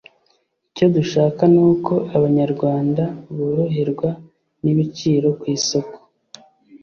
“Icyo dushaka ni uko Abanyarwanda boroherwa n’ibiciro ku isoko